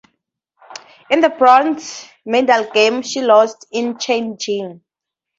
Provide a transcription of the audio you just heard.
In the bronze medal game, she lost to Chen Jing.